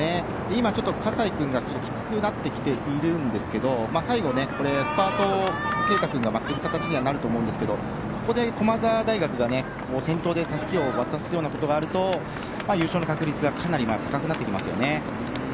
今、ちょっと葛西君がきつくなってきているんですが最後、スパートを圭汰君がする形になると思うんですけどここで駒澤大学が先頭でたすきを渡すようなことがあると優勝の確率がかなり高くなってきますよね。